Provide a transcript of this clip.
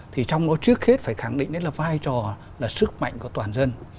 thì trong đó trước hết phải khẳng định đấy là vai trò là sức mạnh của toàn dân